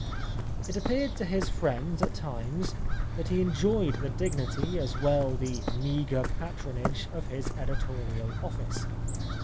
It appeared to his friends, at times, that he enjoyed the dignity, as well the meagre patronage of his editorial office.